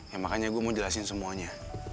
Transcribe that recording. ya makanya gue mau jelasin semuanya